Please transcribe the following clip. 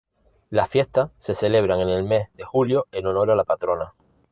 Las fiestas se celebran en el mes de julio en honor a la patrona.